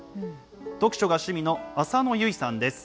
読書が趣味の浅野由衣さんです。